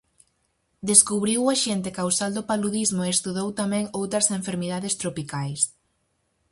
Descubriu o axente causal do paludismo e estudou tamén outras enfermidades tropicais.